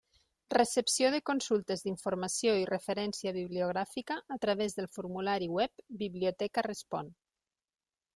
Recepció de consultes d'informació i referència bibliogràfica a través del formulari web «Biblioteca respon».